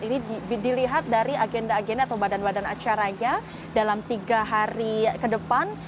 ini dilihat dari agenda agenda atau badan badan acaranya dalam tiga hari ke depan